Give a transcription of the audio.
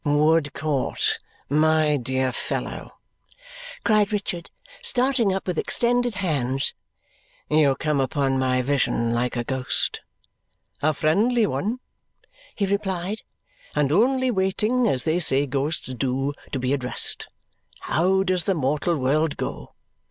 "Woodcourt, my dear fellow," cried Richard, starting up with extended hands, "you come upon my vision like a ghost." "A friendly one," he replied, "and only waiting, as they say ghosts do, to be addressed. How does the mortal world go?"